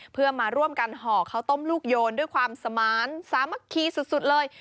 เพื่อมาร่วมกันห่อข้าวต้มลูกโยนด้วยความสมานสามัคคีสุดเลย